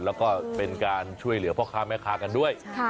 แล้วก็เป็นการช่วยเหลือพ่อค้าแม่ค้ากันด้วย